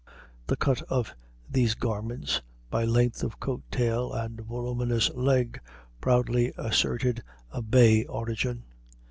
The cut of these garments, by length of coat tail and voluminous leg, proudly asserted a "Bay" origin.